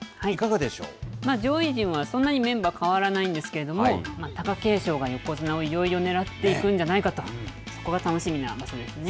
上位陣はそんなにメンバー変わらないんですけれども、貴景勝が横綱をいよいよ狙っていくんじゃないかと、そこが楽しみな場所ですね。